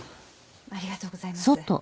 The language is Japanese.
ありがとうございます。